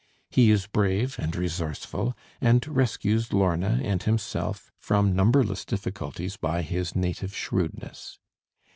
He is brave and resourceful, and rescues Lorna and himself from numberless difficulties by his native shrewdness.